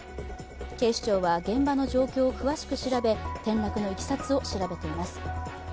警視庁は現場の状況を詳しく調べ転落のいきさつを調べています。